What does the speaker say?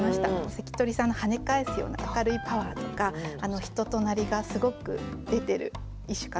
関取さんのはね返すような明るいパワーとか人となりがすごく出てる一首かなと思って読ませて頂きました。